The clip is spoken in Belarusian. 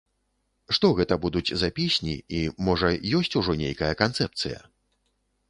Што гэта будуць за песні, і, можа, ёсць ужо нейкая канцэпцыя?